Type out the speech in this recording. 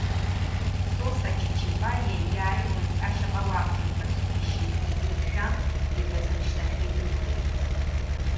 Сосо Чичибаиа иааиуаз ашьаҟауаа рҿынтә аӡәы дишьит, егьырҭ шәан, иҳәазаны шьҭахьла идәықәлеит.